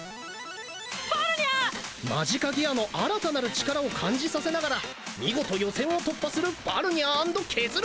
バルニャーマジカギアの新たなる力を感じさせながら見事予選を突破するバルニャー＆ケズル！